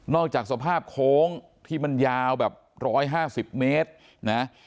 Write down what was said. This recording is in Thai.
นอกจากสภาพโค้งที่มันยาวแบบร้อยห้าสิบเมตรนะฮะ